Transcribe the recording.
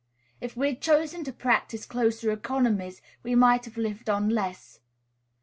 If we had chosen to practise closer economies, we might have lived on less.